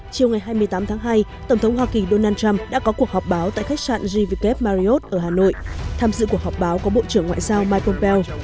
chiều ngày hai mươi tám tháng hai tổng thống hoa kỳ donald trump đã có cuộc họp báo tại khách sạn jvk marriott ở hà nội tham dự cuộc họp báo của bộ trưởng ngoại giao michael bell